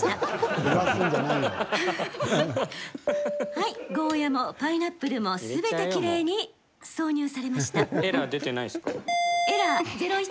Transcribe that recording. はい、ゴーヤーもパイナップルも全て、きれいに挿入されました。